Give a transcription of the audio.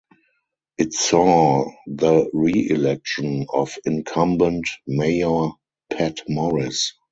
It saw the reelection of incumbent mayor Pat Morris.